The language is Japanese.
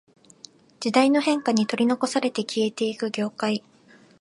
時代の変化に取り残されて消えていく業界